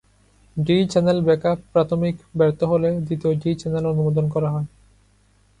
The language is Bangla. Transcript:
ডি-চ্যানেল ব্যাকআপ প্রাথমিক ব্যর্থ হলে দ্বিতীয় ডি চ্যানেল অনুমোদন করে।